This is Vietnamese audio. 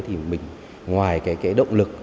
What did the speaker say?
thì mình ngoài cái động lực